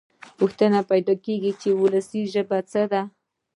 پوښتنه پیدا کېږي چې وولسي ژبه څه ده.